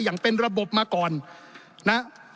อย่างเป็นระบบมาก่อนนะ